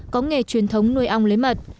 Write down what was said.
có nghề truyền thống nuôi ong lấy mật